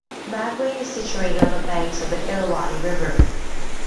Magway is situated on the banks of the Irrawaddy River.